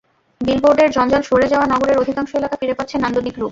বিলবোর্ডের জঞ্জাল সরে যাওয়া নগরের অধিকাংশ এলাকা ফিরে পাচ্ছে নান্দনিক রূপ।